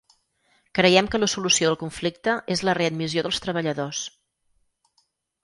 Creiem que la solució del conflicte és la readmissió dels treballadors.